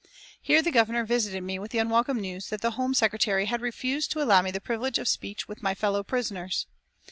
Here the Governor visited me with the unwelcome news that the Home Secretary had refused to allow me the privilege of speech with my fellow prisoners.